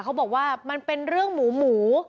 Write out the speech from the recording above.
เขาบอกว่ามันเป็นเรื่องหมูหมู